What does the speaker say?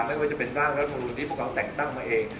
ไม่ว่าจะเป็นร่างรัฐมนุนที่พวกเขาแต่งตั้งมาเอง